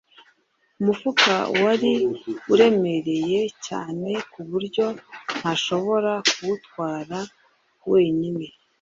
umufuka wari uremereye cyane ku buryo ntashobora kuwutwara wenyine.